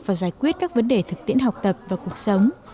và giải quyết các vấn đề thực tiễn học tập và cuộc sống